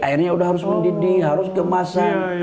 airnya udah harus mendidih harus dikemasan